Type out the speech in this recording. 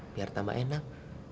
biar tambah enak